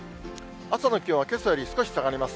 朝の気温はけさより少し下がります。